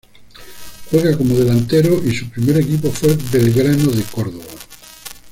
Juega como delantero y su primer equipo fue Belgrano de Córdoba.